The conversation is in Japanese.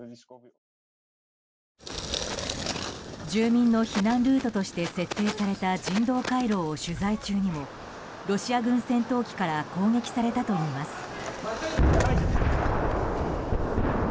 住民の避難ルートとして設定された人道回廊を取材中にもロシア軍戦闘機から攻撃されたといいます。